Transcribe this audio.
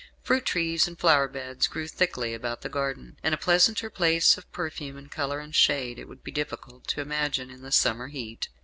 Fruit trees and flower beds grew thickly about the garden, and a pleasanter place of perfume and colour and shade it would be difficult to imagine in the summer heat.